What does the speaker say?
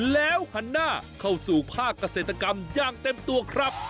แล้วหันหน้าเข้าสู่ภาคเกษตรกรรมอย่างเต็มตัวครับ